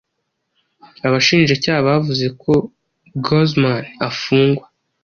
Abashinjacyaha bavuze ko Guzman afungwa